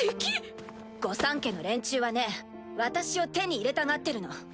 御三家の連中はね私を手に入れたがってるの。